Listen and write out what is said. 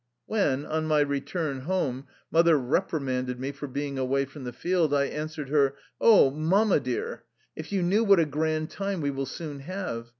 When, on my return home, mother repri manded me for being away from the field, I answered her: " Oh, Mamma dear, if you knew what a grand time we will soon have.